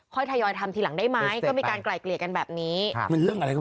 คอยทยอยทำทีหลังได้มั้ยก็มีการไกล่เกรียร์กันแบบนี้อ่าครับถึงค่ะมันเรื่องอะไร